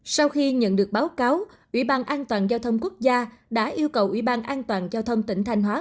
sau khi nhận được báo cáo ủy ban an toàn giao thông quốc gia đã yêu cầu ủy ban an toàn giao thông tỉnh thanh hóa